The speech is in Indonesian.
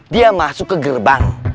dia masuk ke gerbang